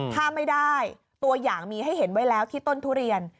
ถ้าไม่ได้ตัวอย่างมีให้เห็นไว้แล้วที่ต้นทุเรียน